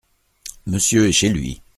Monsieur est chez lui.